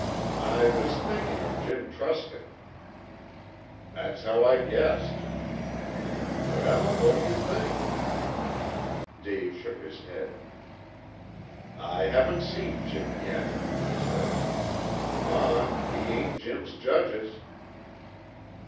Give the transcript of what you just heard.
"I was thinking of Jim Truscott." "That's how I guessed." "Well? What do you think?" Dave shook his head. "I haven't seen Jim yet," he said. "Ma, we ain't Jim's judges."